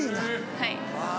はい。